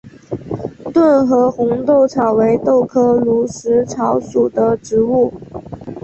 顿河红豆草为豆科驴食草属的植物。